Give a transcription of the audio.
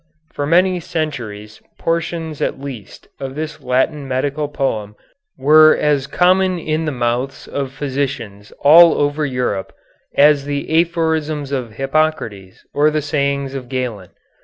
For many centuries portions at least of this Latin medical poem were as common in the mouths of physicians all over Europe as the aphorisms of Hippocrates or the sayings of Galen.